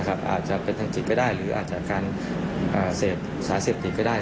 อาจจะเป็นทางจิตก็ได้หรืออาจจะการเสพสารเสพติดก็ได้